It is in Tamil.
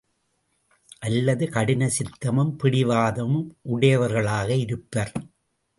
அல்லது கடின சித்தமும் பிடிவாதமும் உடையவர்களாக இருப்பர்.